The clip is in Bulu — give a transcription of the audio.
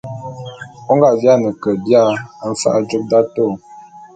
O nga biane ke bia mfa'a jôp d'atôô.